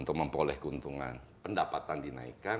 pertama pendapatan dinaikkan pendapatan dinaikkan